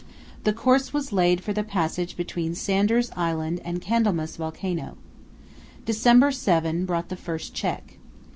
The course was laid for the passage between Sanders Island and Candlemas Volcano. December 7 brought the first check.